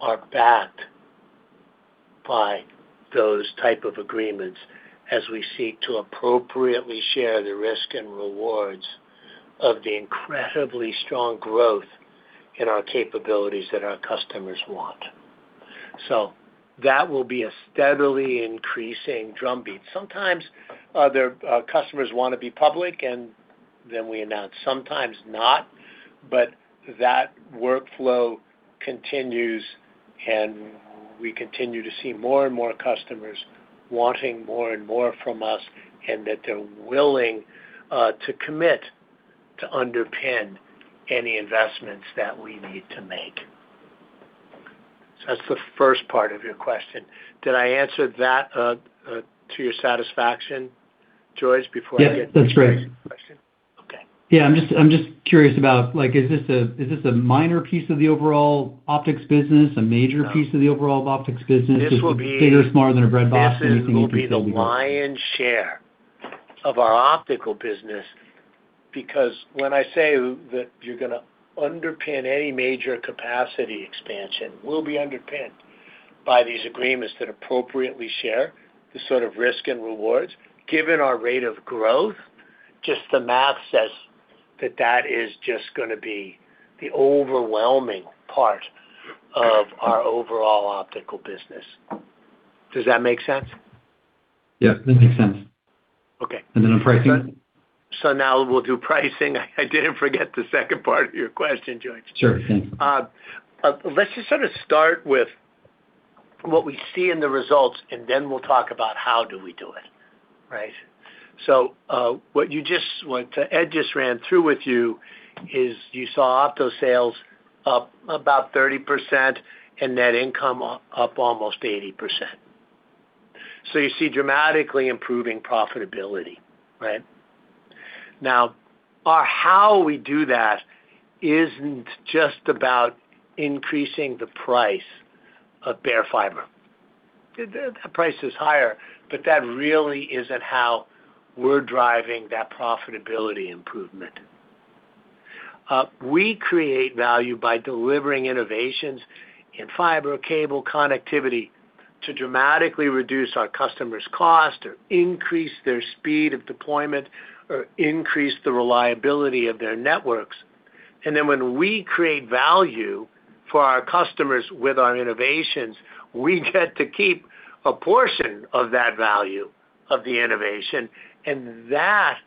are backed by those type of agreements as we seek to appropriately share the risk and rewards of the incredibly strong growth in our capabilities that our customers want. That will be a steadily increasing drumbeat. Sometimes customers want to be public, and then we announce. Sometimes not. That workflow continues, and we continue to see more and more customers wanting more and more from us, and that they're willing to commit to underpin any investments that we need to make. That's the first part of your question. Did I answer that to your satisfaction, George, before I get to the second question? Yeah. I'm just curious about, is this a minor piece of the overall optics business, a major piece of the overall optics business? No. Bigger, smaller than a bread box? Anything you can give us? This will be the lion's share of our optical business, because when I say that you're going to underpin any major capacity expansion, we'll be underpinned by these agreements that appropriately share the sort of risk and rewards. Given our rate of growth, just the math says that that is just going to be the overwhelming part of our overall optical business. Does that make sense? Yeah, that makes sense. Okay. Then on pricing? Now we'll do pricing. I didn't forget the second part of your question, George. Sure. Thanks. What Ed just ran through with you is you saw Opto sales up about 30% and net income up almost 80%. You see dramatically improving profitability. Right? Now, our how we do that isn't just about increasing the price of bare fiber. The price is higher, but that really isn't how we're driving that profitability improvement. We create value by delivering innovations in fiber cable connectivity to dramatically reduce our customers' cost or increase their speed of deployment or increase the reliability of their networks. When we create value for our customers with our innovations, we get to keep a portion of that value of the innovation, and that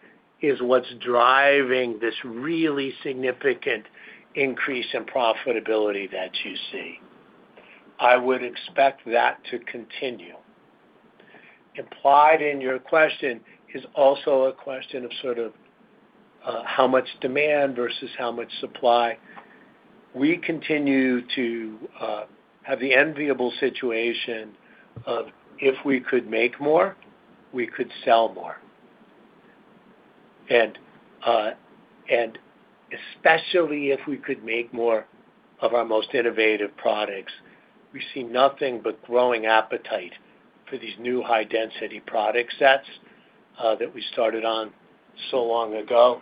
is what's driving this really significant increase in profitability that you see. I would expect that to continue. Implied in your question is also a question of sort of how much demand versus how much supply. We continue to have the enviable situation of if we could make more, we could sell more. Especially if we could make more of our most innovative products. We see nothing but growing appetite for these new high-density product sets that we started on so long ago,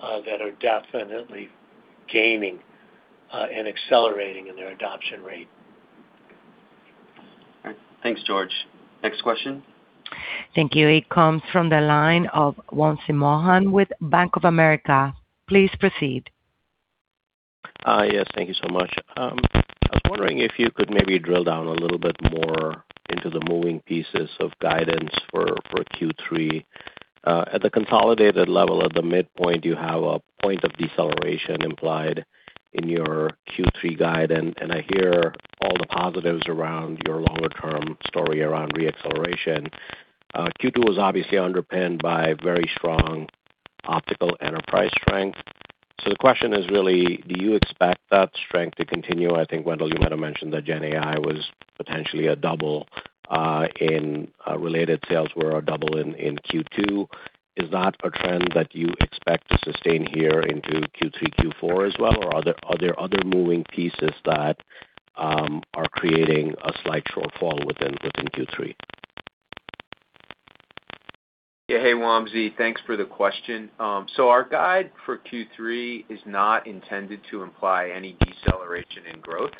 that are definitely gaining, and accelerating in their adoption rate. All right. Thanks, George. Next question. Thank you. It comes from the line of Wamsi Mohan with Bank of America. Please proceed. Yes, thank you so much. I was wondering if you could maybe drill down a little bit more into the moving pieces of guidance for Q3. At the consolidated level at the midpoint, you have a point of deceleration implied in your Q3 guide, and I hear all the positives around your longer-term story around re-acceleration. Q2 was obviously underpinned by very strong optical enterprise strength. The question is really, do you expect that strength to continue? I think, Wendell, you might have mentioned that Gen AI was potentially a double in related sales in Q2. Is that a trend that you expect to sustain here into Q3, Q4 as well? Or are there other moving pieces that are creating a slight shortfall within Q3? Yeah. Hey, Wamsi. Thanks for the question. Our guide for Q3 is not intended to imply any deceleration in growth.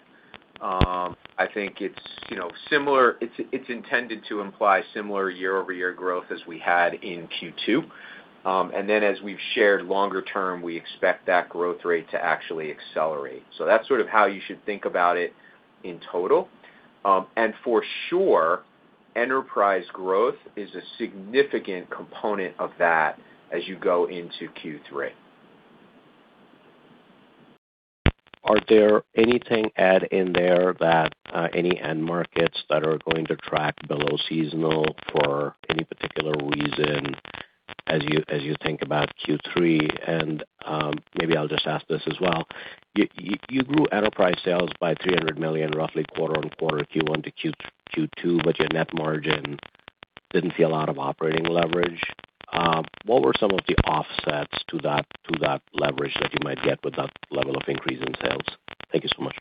I think it's intended to imply similar year-over-year growth as we had in Q2. Then as we've shared longer term, we expect that growth rate to actually accelerate. So that's sort of how you should think about it in total. And for sure, enterprise growth is a significant component of that as you go into Q3. Are there anything, Ed, in there that any end markets that are going to track below seasonal for any particular reason as you think about Q3? And maybe I'll just ask this as well. You grew enterprise sales by roughly $300 million quarter-on-quarter Q1 to Q2, but your net margin didn't see a lot of operating leverage. What were some of the offsets to that leverage that you might get with that level of increase in sales? Thank you so much.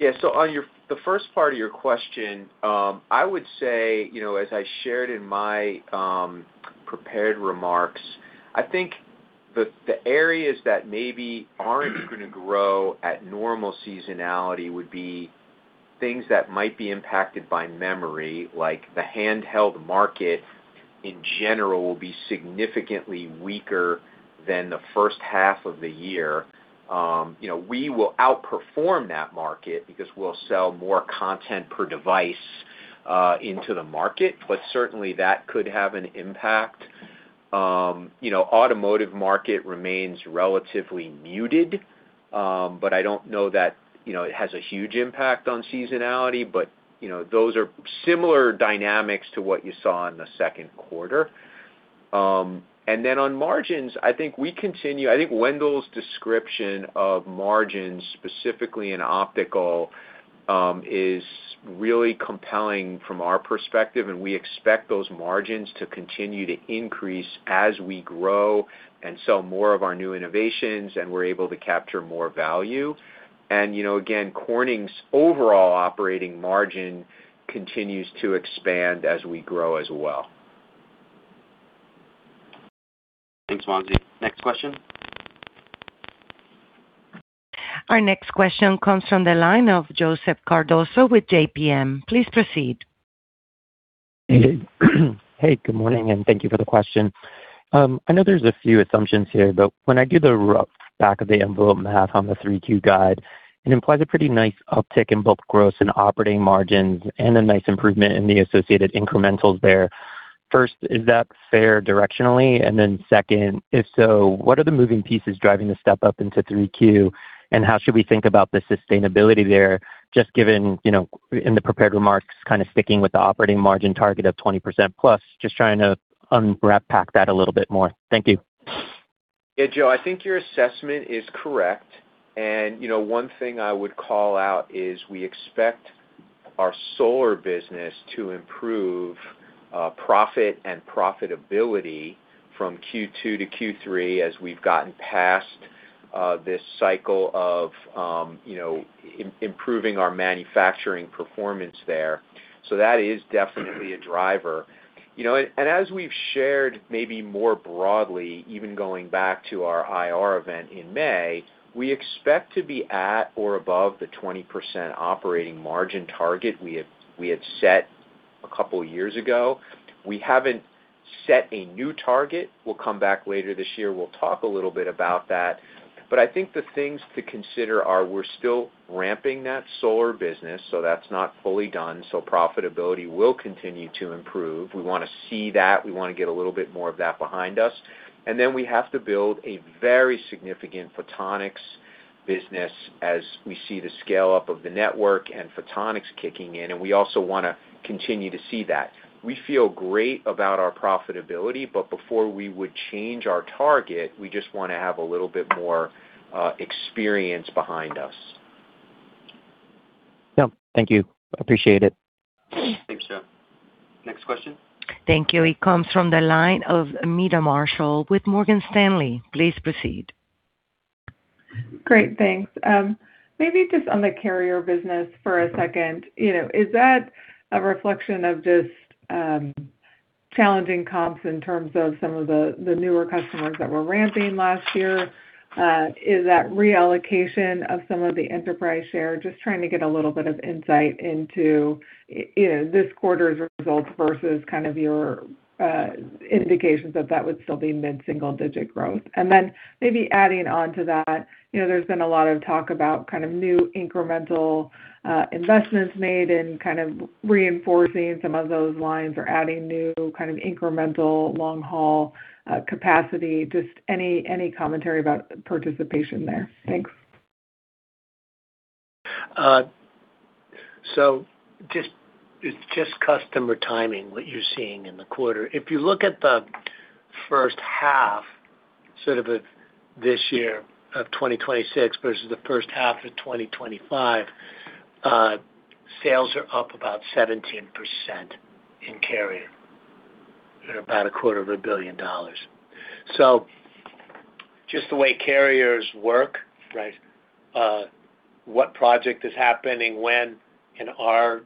Yeah. So on the first part of your question, I would say, as I shared in my prepared remarks, I think the areas that maybe aren't going to grow at normal seasonality would be things that might be impacted by memory, like the handheld market in general will be significantly weaker than the first half of the year. We will outperform that market because we'll sell more content per device into the market. But certainly, that could have an impact. Automotive market remains relatively muted, but I don't know that it has a huge impact on seasonality. But those are similar dynamics to what you saw in the second quarter. On margins, I think Wendell's description of margins specifically in optical is really compelling from our perspective, and we expect those margins to continue to increase as we grow and sell more of our new innovations, and we're able to capture more value. Corning's overall operating margin continues to expand as we grow as well. Thanks, Mohan. Next question. Our next question comes from the line of Joseph Cardoso with JPMorgan. Please proceed. Hey. Good morning, and thank you for the question. I know there's a few assumptions here, but when I do the rough back-of-the-envelope math on the 3Q guide, it implies a pretty nice uptick in both gross and operating margins and a nice improvement in the associated incrementals there. First, is that fair directionally? Second, if so, what are the moving pieces driving the step up into 3Q, and how should we think about the sustainability there just given, in the prepared remarks, kind of sticking with the operating margin target of 20%+, just trying to unpack that a little bit more. Thank you. Joe, I think your assessment is correct. One thing I would call out is we expect our solar business to improve profit and profitability from Q2 to Q3 as we've gotten past this cycle of improving our manufacturing performance there. That is definitely a driver. As we've shared, maybe more broadly, even going back to our IR event in May, we expect to be at or above the 20% operating margin target we had set a couple of years ago. We haven't set a new target. We'll come back later this year, we'll talk a little bit about that. I think the things to consider are we're still ramping that solar business, so that's not fully done, so profitability will continue to improve. We want to see that. We want to get a little bit more of that behind us. We have to build a very significant photonics business as we see the scale-up of the network and photonics kicking in, and we also want to continue to see that. We feel great about our profitability, before we would change our target, we just want to have a little bit more experience behind us. Thank you. Appreciate it. Thanks, Joe. Next question. Thank you. It comes from the line of Meta Marshall with Morgan Stanley. Please proceed. Great. Thanks. Maybe just on the carrier business for a second. Is that a reflection of just challenging comps in terms of some of the newer customers that were ramping last year? Is that reallocation of some of the enterprise share? Just trying to get a little bit of insight into this quarter's results versus your indications that would still be mid-single digit growth. Then maybe adding on to that, there's been a lot of talk about new incremental investments made in reinforcing some of those lines or adding new incremental long-haul capacity. Just any commentary about participation there. Thanks. It's just customer timing, what you're seeing in the quarter. If you look at the first half this year of 2026 versus the first half of 2025, sales are up about 17% in carrier. They're about a quarter of a billion dollars. Just the way carriers work, right? What project is happening when in our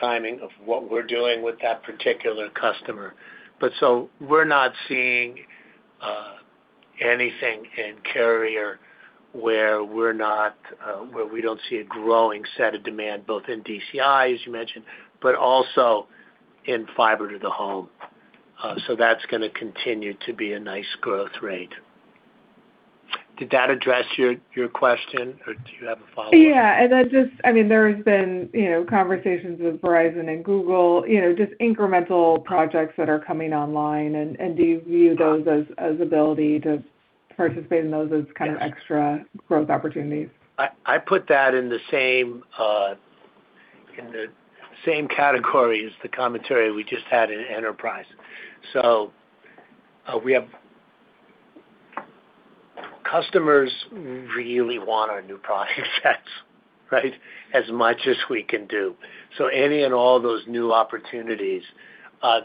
timing of what we're doing with that particular customer. We're not seeing anything in carrier where we don't see a growing set of demand, both in DCI, as you mentioned, but also in fiber to the home. That's going to continue to be a nice growth rate. Did that address your question or do you have a follow-up? Yeah. There's been conversations with Verizon and Google, just incremental projects that are coming online, and do you view those as ability to participate in those as kind of extra growth opportunities? I put that in the same category as the commentary we just had in enterprise. We have customers really want our new product sets, right? As much as we can do. Any and all those new opportunities,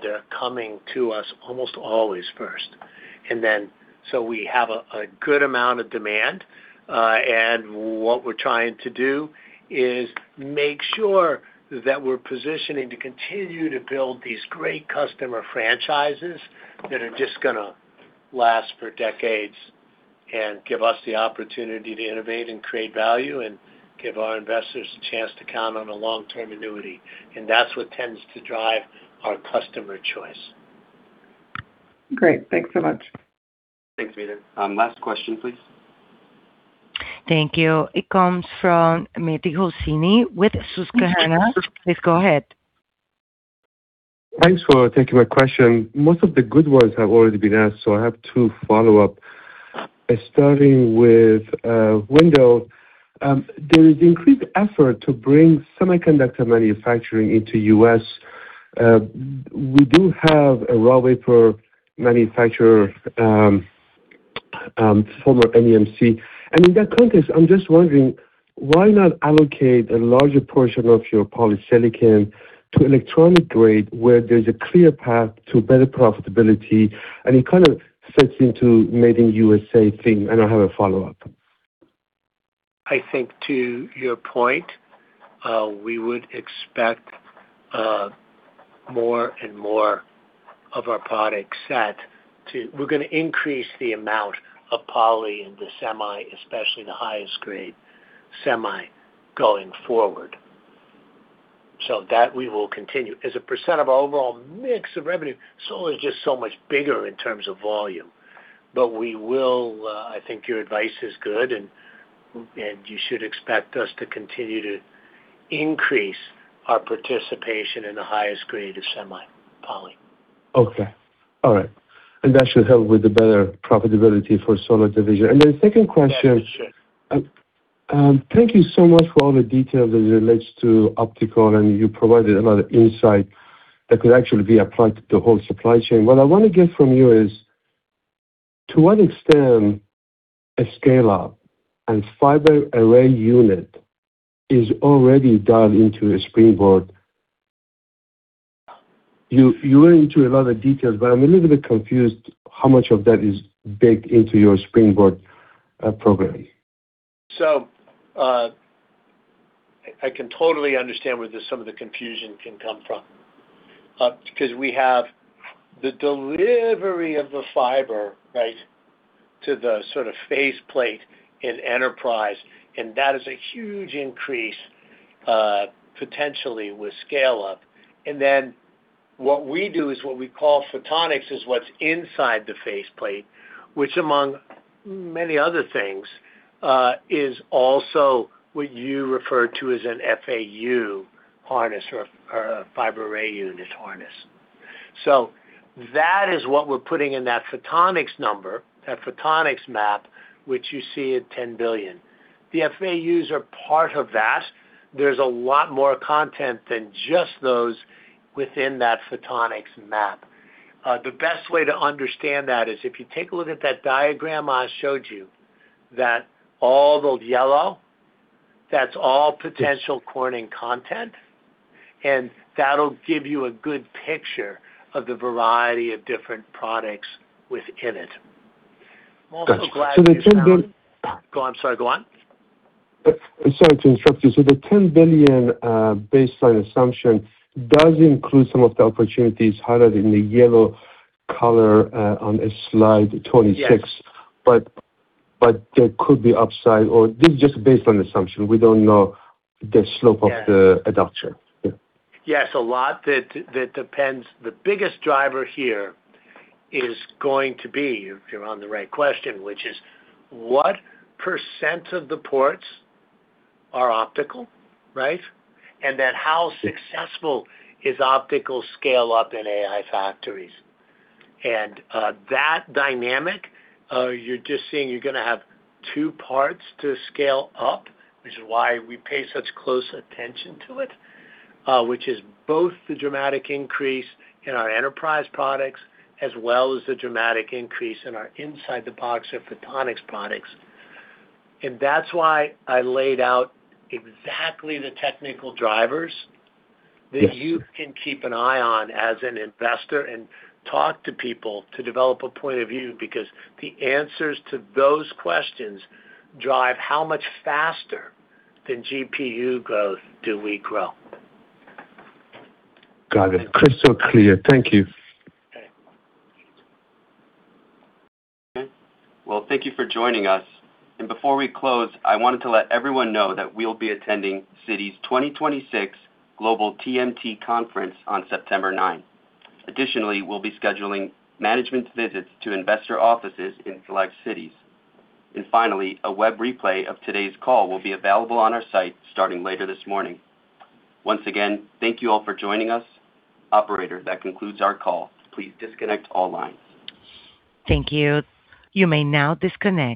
they're coming to us almost always first. We have a good amount of demand, and what we're trying to do is make sure that we're positioning to continue to build these great customer franchises that are just going to last for decades and give us the opportunity to innovate and create value, and give our investors a chance to count on a long-term annuity. That's what tends to drive our customer choice. Great. Thanks so much. Thanks, Meta. Last question, please. Thank you. It comes from Mehdi Hosseini with Susquehanna. Please go ahead. Thanks for taking my question. Most of the good ones have already been asked, I have two follow-ups. Starting with Wendell, there is increased effort to bring semiconductor manufacturing into the U.S. We do have a raw wafer manufacturer Former Hemlock. In that context, I'm just wondering, why not allocate a larger portion of your polysilicon to electronic grade, where there's a clear path to better profitability, and it kind of fits into made in U.S. thing? I have a follow-up. I think to your point, we would expect more and more of our product set. We're going to increase the amount of poly in the semi, especially the highest grade semi going forward. That we will continue. As a percent of our overall mix of revenue, solar is just so much bigger in terms of volume. We will, I think your advice is good, you should expect us to continue to increase our participation in the highest grade of semi poly. Okay. All right. That should help with the better profitability for solar division. My second question- That it should. Thank you so much for all the detail as it relates to optical, you provided a lot of insight that could actually be applied to the whole supply chain. What I want to get from you is, to what extent a scale-up and fiber array unit is already dialed into a Springboard. You went into a lot of details, I am a little bit confused how much of that is baked into your Springboard program. I can totally understand where some of the confusion can come from, because we have the delivery of the fiber, right, to the sort of faceplate in enterprise, and that is a huge increase, potentially with scale up. Then what we do is what we call photonics is what is inside the faceplate, which among many other things, is also what you referred to as an FAU harness or a fiber array unit harness. That is what we are putting in that photonics number, that photonics map, which you see at $10 billion. The FAUs are part of that. There is a lot more content than just those within that photonics map. The best way to understand that is if you take a look at that diagram I showed you, that all the yellow, that is all potential Corning content, and that will give you a good picture of the variety of different products within it. Got you. I'm also glad you- The $10 billion. Go on, sorry. Go on. Sorry to interrupt you. The $10 billion baseline assumption does include some of the opportunities highlighted in the yellow color on slide 26. Yes. There could be upside, or this is just a baseline assumption. We don't know the slope of the adoption. Yes, a lot that depends. The biggest driver here is going to be, if you're on the right question, which is what percent of the ports are optical, right? Then how successful is optical scale up in AI factories? That dynamic, you're just seeing you're gonna have two parts to scale up, which is why we pay such close attention to it, which is both the dramatic increase in our enterprise products, as well as the dramatic increase in our inside the box of photonics products. That's why I laid out exactly the technical drivers. Yes. That you can keep an eye on as an investor and talk to people to develop a point of view, because the answers to those questions drive how much faster than GPU growth do we grow. Got it. Crystal clear. Thank you. Okay. Well, thank you for joining us. Before we close, I wanted to let everyone know that we'll be attending Citi's 2026 Global Technology Conference on September 9th. Additionally, we'll be scheduling management visits to investor offices in select cities. Finally, a web replay of today's call will be available on our site starting later this morning. Once again, thank you all for joining us. Operator, that concludes our call. Please disconnect all lines. Thank you. You may now disconnect.